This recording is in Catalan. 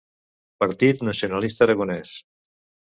Partit nacionalista aragonès.